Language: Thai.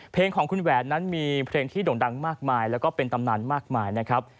เพลงของคุณแหวนนั้นมีเพลงที่โด่งดังมากมายแล้วก็เป็นตำนานมากมายนะครับ